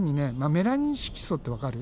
メラニン色素ってわかる？